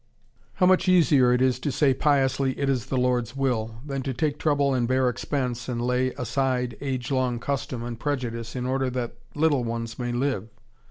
'" How much easier it is to say piously, "It is the Lord's will," than to take trouble and bear expense and lay aside age long custom and prejudice in order that little ones may live!